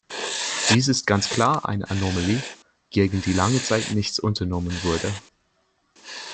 Dies ist ganz klar eine Anomalie, gegen die lange Zeit nichts unternommen wurde.